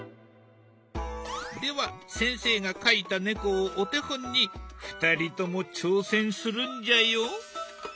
では先生が描いた猫をお手本に２人とも挑戦するんじゃよ。